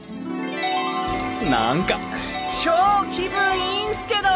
何か超気分いいんすけど！